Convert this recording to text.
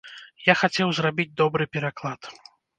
Я хацеў зрабіць добры пераклад.